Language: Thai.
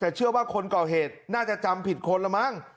แต่เชื่อว่าคนก่อเหตุน่าจะจำผิดคนละมั้ง